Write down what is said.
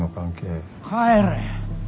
帰れ。